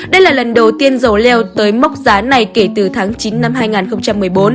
đây là lần đầu tiên dầu leo tới mốc giá này kể từ tháng chín năm hai nghìn một mươi bốn